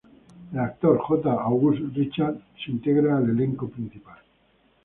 El actor J. August Richards se integra al elenco principal.